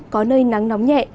có nơi nắng nóng nhẹ